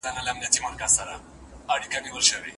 د يوسف سورت په تفسير او ژباړه کي استفاده ورڅخه وکړم.